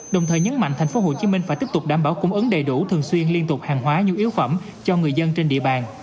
đồng thời nhấn mạnh thành phố hồ chí minh phải tiếp tục đảm bảo cung ứng đầy đủ thường xuyên liên tục hàng hóa nhu yếu phẩm cho người dân trên địa bàn